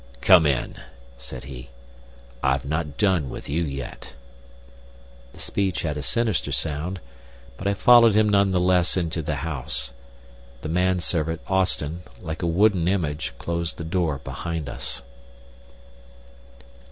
"Come in!" said he. "I've not done with you yet." The speech had a sinister sound, but I followed him none the less into the house. The man servant, Austin, like a wooden image, closed the door behind us.